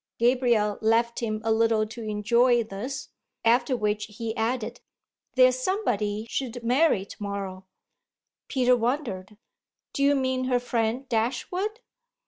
Gabriel left him a little to enjoy this; after which he added: "There's somebody she'd marry to morrow." Peter wondered. "Do you mean her friend Dashwood?"